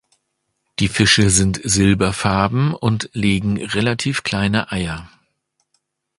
Die Fische sind silberfarben und legen relativ kleine Eier.